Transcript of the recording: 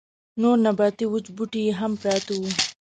نور نباتي وچ بوټي يې هم پراته وو.